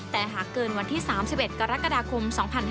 แต่หากเกินวันที่๓๑กรกฎาคม๒๕๕๙